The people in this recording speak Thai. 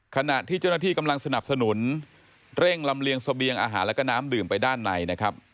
ขณะที่เจ้าหน้าที่กำลังสนับสนุนเร่งลำเลียงเสบียงอาหารแล้วก็น้ำดื่มไปด้านในนะครับ